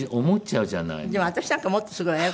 でも私なんかもっとすごいわよ。